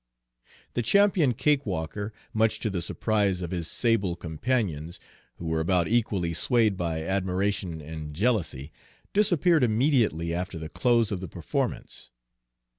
The champion cakewalker, much to the surprise of his sable companions, who were about equally swayed by admiration and jealousy, disappeared immediately after the close of the performance.